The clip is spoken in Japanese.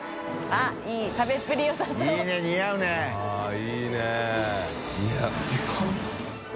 あっいいね。